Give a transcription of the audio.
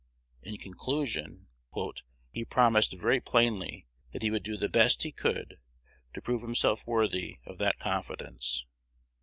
In conclusion, "he promised very plainly that he would do the best he could to prove himself worthy of that confidence."